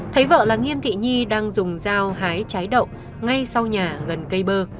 thấy vợ là nghiêm thị nhi đang dùng dao hái trái đậu ngay sau nhà gần cây bơ